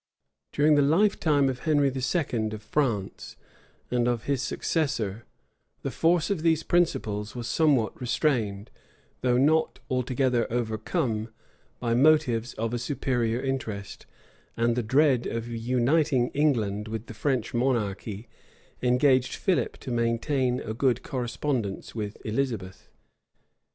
During the lifetime of Henry II. of France, and of his successor, the force of these principles was somewhat restrained, though not altogether overcome, by motives of a superior interest; and the dread of uniting England with the French monarchy engaged Philip to maintain a good correspondence with Elizabeth.